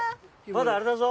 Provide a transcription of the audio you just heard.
まだあれだぞ？